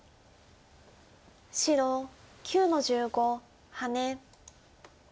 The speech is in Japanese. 白９の十五ハネ。